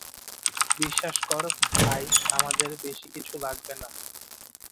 বিশ্বাস কর, ভাই, আমাদের বেশিকিছু লাগবে না।